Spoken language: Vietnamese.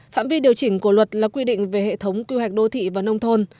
phạm vi điều chỉnh của luật là quy định về hệ thống quy hoạch đô thị và nông thôn